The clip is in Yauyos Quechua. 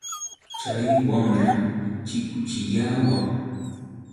Chay wamram chikuchiyawan.